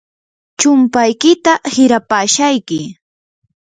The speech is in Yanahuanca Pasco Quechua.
chumpaykita hirapashayki.